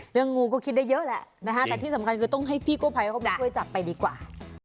งูก็คิดได้เยอะแหละนะฮะแต่ที่สำคัญคือต้องให้พี่กู้ภัยเข้าไปช่วยจับไปดีกว่า